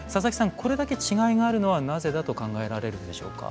これだけ違いがあるのはなぜだと考えられるんでしょうか？